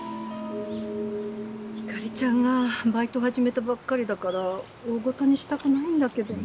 ひかりちゃんがバイト始めたばっかりだから大ごとにしたくないんだけど。